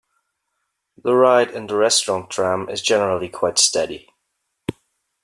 The ride in the restaurant tram is generally quite steady.